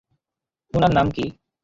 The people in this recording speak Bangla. উনার নাম কী?